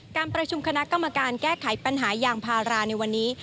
การประชุมคณะกรรมการแก้ไขปัญหายางพาราในวันนี้